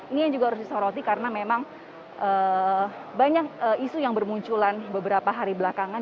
ini yang juga harus disoroti karena memang banyak isu yang bermunculan beberapa hari belakangan